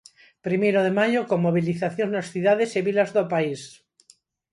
Primeiro de maio, con mobilizacións nas cidades e vilas do país.